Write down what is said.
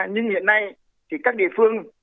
nhưng hiện nay thì các địa phương